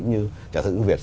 như nhà thơ ưu việt